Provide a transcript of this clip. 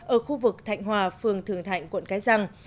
ở khu vực thạnh hòa phường thường thạnh quận cái răng